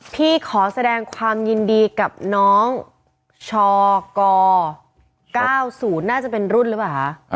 พี่ขอแสดงความยินดีกับน้องชก๙๐น่าจะเป็นรุ่นหรือเปล่าคะ